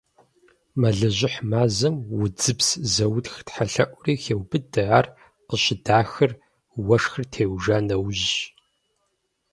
Мэлыжьыхь мазэм удзыпс зэутх тхьэлъэӀури хеубыдэ, ар къыщыдахыр уэшхыр теужа нэужьщ.